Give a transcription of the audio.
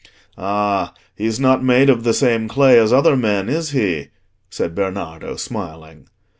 "Ah, he's not made of the same clay as other men, is he?" said Bernardo, smiling.